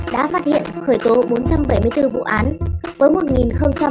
đã phát hiện khởi tố bốn triệu tài khoản